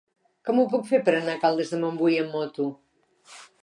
Com ho puc fer per anar a Caldes de Montbui amb moto?